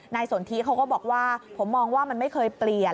สนทิเขาก็บอกว่าผมมองว่ามันไม่เคยเปลี่ยน